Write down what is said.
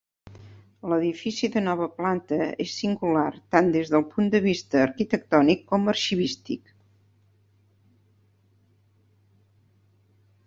L’edifici de nova planta és singular tant des del punt de vista arquitectònic com arxivístic.